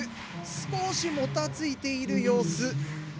少しもたついている様子。